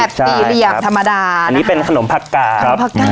ใช่ครับแบบตีเหลี่ยมธรรมดานะครับอันนี้เป็นขนมผักกาครับขนมผักกา